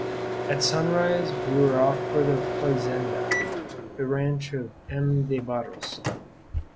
At sunrise we were off for the "fazenda," the ranch of M. de Barros.